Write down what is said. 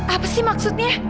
apa sih maksudnya